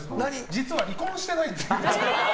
実は離婚してないって。